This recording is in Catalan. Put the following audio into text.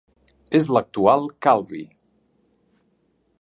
És l'actual Calvi.